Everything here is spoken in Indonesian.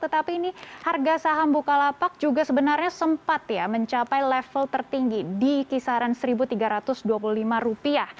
tetapi ini harga saham bukalapak juga sebenarnya sempat ya mencapai level tertinggi di kisaran rp satu tiga ratus dua puluh lima rupiah